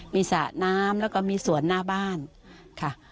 มีสระน้ำแล้วก็มีสวนหน้าบ้านค่ะ